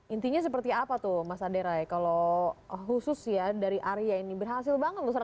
intinya seperti apa tuh mas aderai kalau khusus ya dari area ini berhasil banget